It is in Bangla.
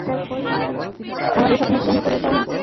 আমার এই স্বপ্ন পূরণ করে দাও, মা।